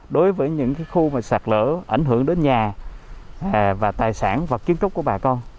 đối với những khu sạt lở ảnh hưởng đến nhà và tài sản và kiến trúc của bà con